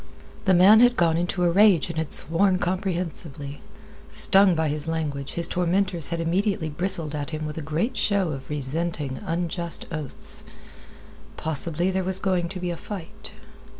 The man had gone into a rage and had sworn comprehensively. Stung by his language, his tormentors had immediately bristled at him with a great show of resenting unjust oaths. Possibly there was going to be a fight.